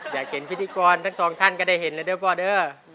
อยากเห็นพิธีกรทั้งสองท่านก็ได้เห็นเลยเด้อพ่อเด้อ